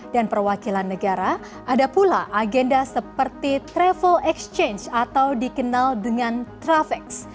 dan perwakilan negara ada pula agenda seperti travel exchange atau dikenal dengan travex